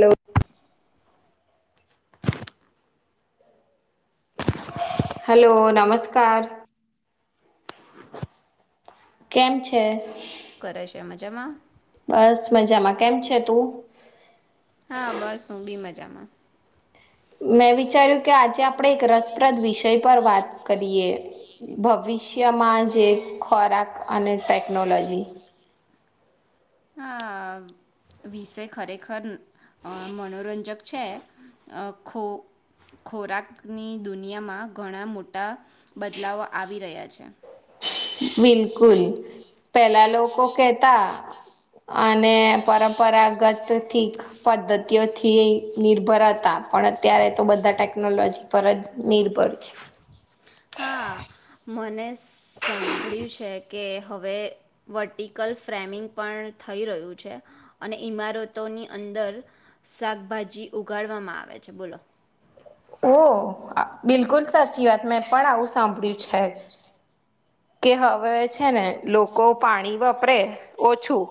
લો, hello, નમસ્કાર. કેમ છે? શું કરે છે મજામાં? બસ મજામાં, કેમ છે તું? મજામાં. મેં વિચાર્યું કે આજે આપ આપણે એક રસપ્રદ વિષય પર વાત કરીએ. ભવિષ્યમાં જે ખોરાક અને ટેકનોલોજી. હા વિષય ખરેખર અ મનોરંજક છે ખો ખોરાક ની દુનિયામાં ઘણા મોટા બદલાવો આવી રહ્યા છે. બિલકુલ, પહેલા લોક કો કેતા અને પરંપરાગત થી પદ્ધતિઓથી નિર્ભર હતા. પણ અત્યારે તો બધા ટેકનોલોજી પર જ નિર્ ઉપ ઉપર છે હા મને સાંભળ્યું છે કે હવે વર્ટિકલ ફ્રેમિંગ પણ થઈ રહ્યું છે અને ઈમારતોની અંદર શાકભાજી ઉગાડવામાં આવે છે બોલો ઓ બિલકુલ સાચી વાત મેં પણ આવું સાંભળ્યું છે કે હવે છે ને લોકો પાણી વપરે ઓછું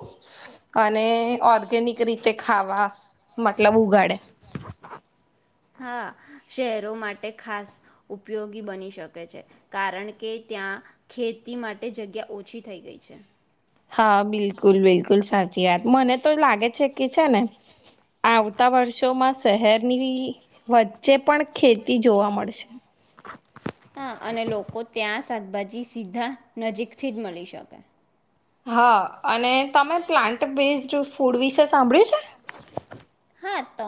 અને ઓર્ગેનિક રીતે ખાવા મતલબ ઉગાડે હા શહેરો માટે ખાસ ઉપયોગી બની શકે છે કારણ કે ત્યાં ખેતી માટે જગ્યા ઓછી થઈ ગઈ છે હા બિલકુલ બિલકુલ સાચી વાત મને તો લાગે છે છે ને આવતા વર્ષોમાં શહેરની હા અને લોકો ત્યાં શાકભાજી સીધા નજીકથી જ મળી શકે હા અને તમે પ્લાન્ટ બેઝડ ફૂડ વિશે સાંભળ્યું છે હા તો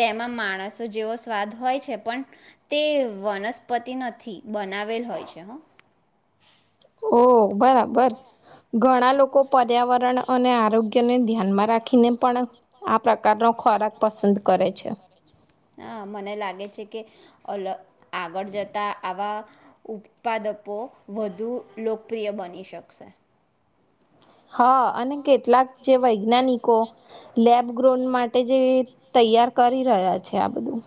તેમાં માણસો જેવો સ્વાદ હોય છે પણ તે વનસ્પતિ નથી બનાવેલ હોય છે હા ઓ બરાબર ઘણા લોકો પર્યાવરણ અને આરોગ્યને ધ્યાનમાં રાખીને પણ આ પ્રકારનો ખોરાક પસંદ કરે છે અલગ આગળ જતા આવા ઉત્પાદકો વધુ લોકપ્રિય બની શકશે હા અને કે કેટલાક જે વૈજ્ઞાનિકો લેબ ગ્રોનમાં જે તૈયાર કરી રહ્યા છે આ બધું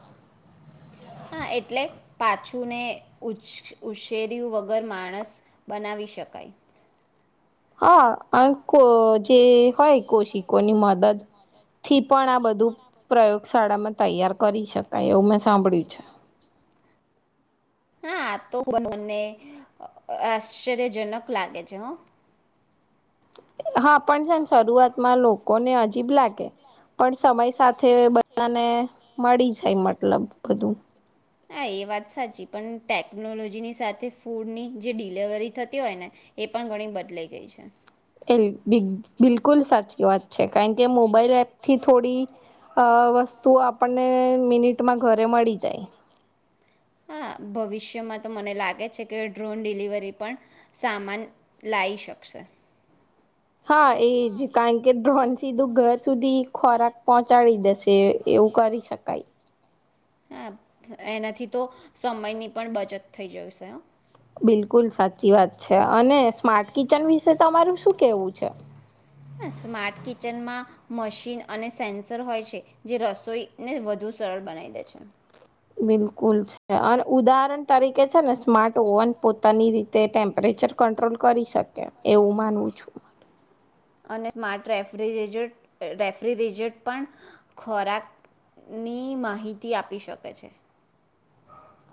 હા એટલે પાછુંને ઉછર્યું વગર માણસ બનાવી શકાય હા જે હોય કોશિકોની મદદ થી પણ આ બધું પ્રયોગશાળામાં તૈયાર કરી શકાય એવું મેં સાંભળ્યું છે હા આ તો મને આશ્ચર્યજનક લાગે છે હ હા પણ છેને શરૂઆતમાં લોકોને અજીબ લાગે પણ સમય સાથે સાથે બધાને મળી જાય મતલબ બધું હા એ વાત સાચી પણ ટેકનોલોજીની સાથે ફૂડની જે ડિલવરી થતી હોય ને એ પણ ઘણી બદલાઈ ગઈ છે એ બગ બિલકલ બિલકુલ સાચી વાત છે કારણ કે મોબાઈલ એપથી થોડી વસ્તુ આપણને મિનિટમાં ઘરે મળી જાય હા ભવિષ્યમાં તો મને લાગે છે કે ડ્રોન ડિલિવરી પણ સામાન લાવી શકશે હા એજ કારણ કે ડ્રોન સીધું ઘર સુધી ખોરાક પહોંચાડી દેશે એવું કરી શકાય હા એનાથી તો સમયની પણ બચત થઈ જઈશે બિલકુલ સાચી વાત છે અને સ્માર્ટ કિચન વિશે તમારું શું કેવું છે સ્માર્ટ કિચનમાં મશીન અને સેન્સર હોય છે જે રસોઈને વધુ સરળ બનાવી દે છે બિલકુલ છે અને ઉદાહરણ તરીકે છે ને સ્માર્ટ ઓવન પોતાની રીતે ટેમ્પરેચર કટ્રોલ કરી શકે એવું માનવું છું અને સ્માર્ટ ર રેફ્રિજરેટ પણ ખોરાક ની માહિતી આપી શકે છે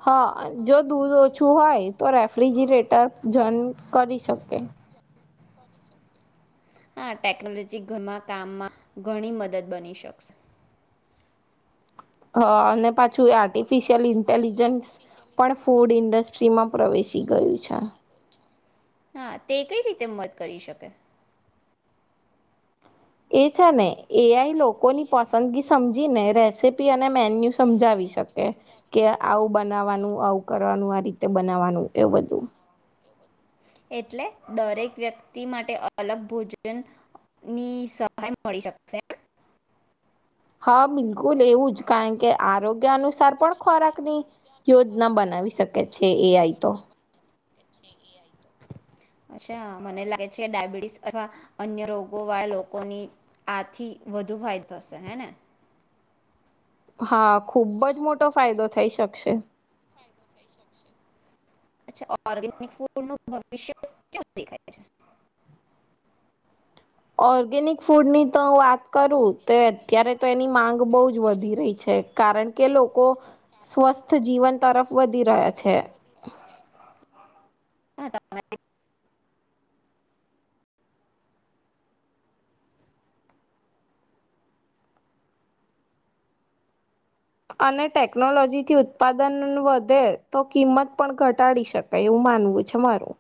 હા જો દૂધ ઓછું હોય તો રેફ્રિજરેટર જન કરી શકે હા ટેકનોલોજી ઘરમાં કામમાં ઘણી મદદ બની શકશે હ અને પાછું આટી િયલ ઇન્ટેલિજન્સ પણ ફૂડ ઇન્ડ શ્રીમ પ્રવેશી ગયું છે હા તે કઈ રીતે મત કરી શકે એ છે ને એ આઈ લોકો ની પસંદગી સમજી ને રેસીપી અને મેન્યુ સમજાવી શકે કે આવું બ બનાવાનું આવું કરવાનું આ રીતે બનાવાનું એવું બધું. એટલે દરેક વ્યક્તિ માટે અલગ ભોજનની સહાય મળી શકશે. હા બિલકુલ એવું જ. કારણ કે આરોગ્ય અનુસાર પણ ખોરાક ની યોજના બનાવી શકે છે એ આઈ તો. જે એ આઈ અચ્છા મને લાગે છે ડયાબિટીસ અથવા અન્ય રોગો વાળા લોકોની આથી વધુ ફાયદો હશે હેને. હા ખુબ જ મોટો ફાયદો થઈ શકશે. અચ્છા ઓર્ગેનિક ફ્રુડ નું ભવિષ્ય ક્યાં દેખાય છે. ઓર્ગેનિક ફ્રુડ ની તો વાત કરું તો અત્યારે તો એની માંગ બહુ જ વધી રહી છે કારણ કે લોકો સ્વસ્થ જીવન તરફ વધી રહ્યા છે. [unintelligible] અને ટેકનોલોજી થી ઉત્પાદન વધે તો કિંમત પણ ઘટાડી શકે એવું માનવું છે મારું.